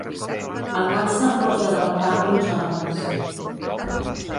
El càncer rosega la carn i els òrgans.